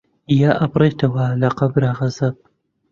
یا ئەبڕێتەوە لە قەبرا عەزاب